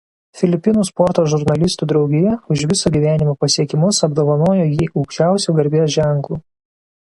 Filipinų Sporto žurnalistų draugija už viso gyvenimo pasiekimus apdovanojo jį aukščiausiu garbės ženklu.